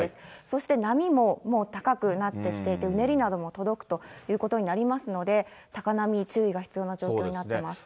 そして波ももう高くなってきていて、うねりなども届くということになりますので、高波に注意が必要な状況になっています。